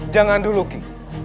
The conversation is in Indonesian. jangan dulu ki